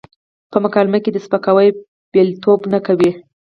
په مکالمه کې د سپکاوي پلويتوب نه کوي.